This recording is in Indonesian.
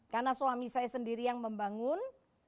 karena suami saya sendiri yang membangun